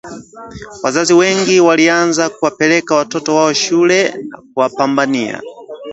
Wazazi wengi walianza kuwapeleka watoto wao shuleni na kuwapambania